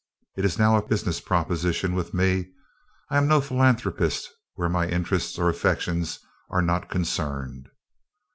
It is now a business proposition with me. I am no philanthropist where my interests or affections are not concerned.